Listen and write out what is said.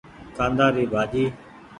ڪآندآ ري ڀآڃي۔